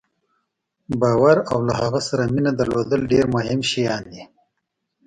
باور او له هغه سره مینه درلودل ډېر مهم شیان دي.